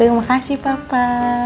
terima kasih papa